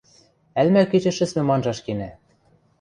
Ӓлмӓ кечӹ шӹцмӹм анжаш кенӓ...